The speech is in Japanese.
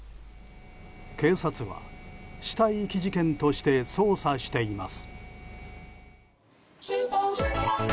警察は死体遺棄事件として捜査しています。